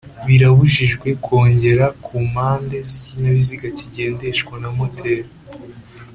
Birabujijwe kwongera ku mpande z'ikinyabiziga kigendeshwa na moteri